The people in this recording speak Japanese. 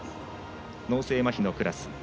脳性まひのクラス。